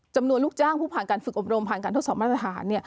ลูกจ้างผู้ผ่านการฝึกอบรมผ่านการทดสอบมาตรฐาน